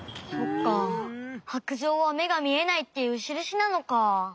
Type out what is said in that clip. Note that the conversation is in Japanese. そっか白杖はめがみえないっていうしるしなのか。